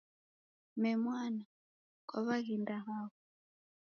Mee mwana, kwaw'aghenda hao?